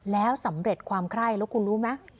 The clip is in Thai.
แล้วสำเร็จความไคร้แล้วคุณรู้ไหม